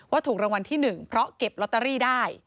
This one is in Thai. ถูกรางวัลที่๑เพราะเก็บลอตเตอรี่ได้